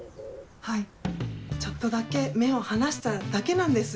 はいちょっとだけ目を離しただけなんですよ。